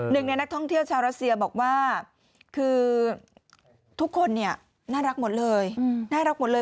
หนึ่งเนี่ยนักท่องเที่ยวชาวรัสเซียบอกว่าคือทุกคนเนี่ยน่ารักหมดเลย